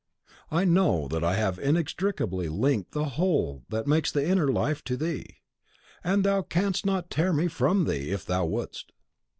I know that I have inextricably linked the whole that makes the inner life to thee; and thou canst not tear me from thee, if thou wouldst!